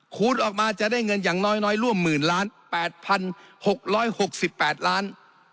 คูณออกมาจะได้เงินอย่างน้อยร่วม๑๘๖๖๘ล้าน